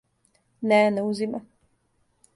Не, не узима.